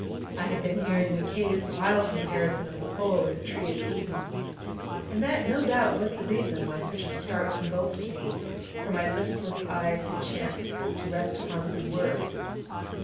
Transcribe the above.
I had been hearing Mackay's wild comparison of the Pole with the tree of Eden, and that no doubt was the reason why such a start convulsed me: for my listless eyes had chanced to rest upon some words.